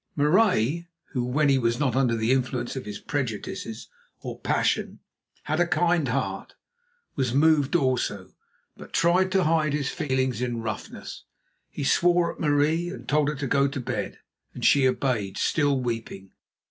Marais, who, when he was not under the influence of his prejudices or passion, had a kind heart, was moved also, but tried to hide his feelings in roughness. He swore at Marie, and told her to go to bed, and she obeyed, still weeping.